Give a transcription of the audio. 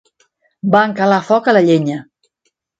Van calar foc a la llenya.